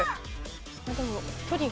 でも距離が。